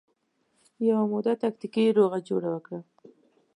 یوه موده تکتیکي روغه جوړه وکړه